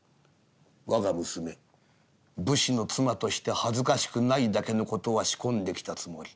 「我が娘武士の妻として恥ずかしくないだけの事は仕込んできたつもり。